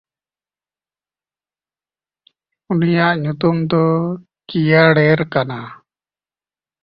ᱩᱱᱤᱭᱟᱜ ᱧᱩᱛᱩᱢ ᱫᱚ ᱠᱤᱭᱟᱲᱮᱨ ᱠᱟᱱᱟ᱾